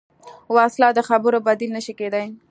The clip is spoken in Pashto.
وسله د خبرو بدیل نه شي کېدای